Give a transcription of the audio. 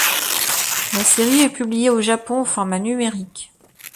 La série est publiée au Japon au format numérique.